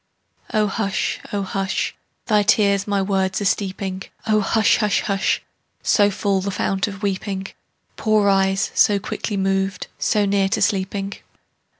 O hush, O hush! Thy tears my words are steeping. O hush, hush, hush! So full, the fount of weeping? Poor eyes, so quickly moved, so near to sleeping?